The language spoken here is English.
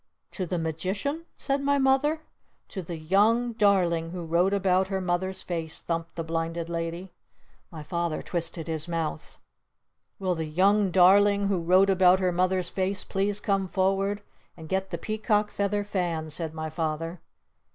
"To the Magician?" said my Mother. "To the Young Darling who wrote about her Mother's Face!" thumped the Blinded Lady. My Father twisted his mouth. "Will the 'Young Darling' who wrote about her Mother's Face please come forward and get the Peacock Feather Fan!" said my Father.